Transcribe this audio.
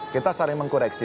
kita saling mengkoreksi